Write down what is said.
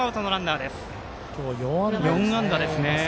今日４安打ですね。